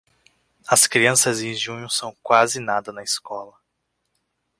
As crianças em junho são quase nada na escola.